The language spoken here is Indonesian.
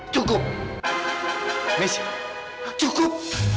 cukup mesya cukup